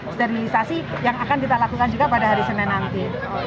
sterilisasi yang akan kita lakukan juga pada hari senin nanti